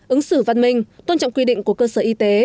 ứng xử văn minh tôn trọng quy định của cơ sở y tế